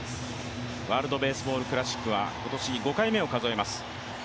ワールドベースボールクラシックは今年５回目を数えます。